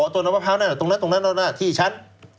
ตนมะพร้าวนั่นตรงนั้นที่ฉัน